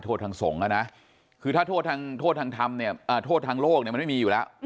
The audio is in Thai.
โทษทางสงฆ์นะคือถ้าโทษทางโทษทางธรรมเนี่ยโทษทางโลกเนี่ยมันไม่มีอยู่แล้ว